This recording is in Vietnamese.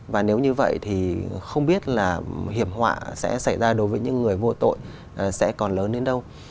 và nếu như vậy thì không biết là hiểm họa sẽ xảy ra đối với những người vô tội sẽ còn lớn đến đâu